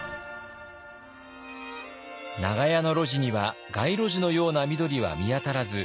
長屋の路地には街路樹のような緑は見当たらず